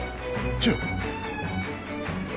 千代！